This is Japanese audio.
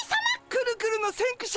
くるくるの先駆者！